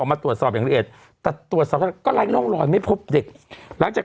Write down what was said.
มาตรวจสอบอย่างละเอียดแต่ตรวจสอบก็ไร้ร่องรอยไม่พบเด็กหลังจาก